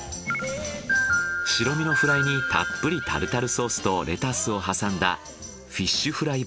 白身のフライにたっぷりタルタルソースとレタスを挟んだフィッシュフライバーガー。